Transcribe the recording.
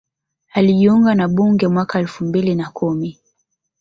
Alijiunga na bunge mwaka elfu mbili na kumi